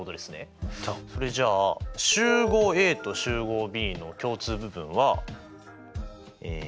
それじゃあ集合Ａと集合Ｂの共通部分は。